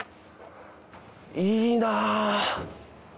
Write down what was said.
いいな。